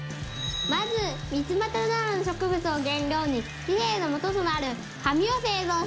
まずミツマタなどの植物を原料に紙幣のもととなる紙を製造します。